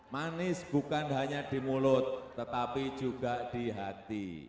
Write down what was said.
manis bukan hanya di mulut tetapi juga di hati